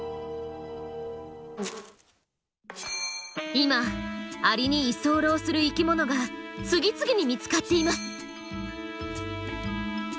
今アリに居候する生きものが次々に見つかっています。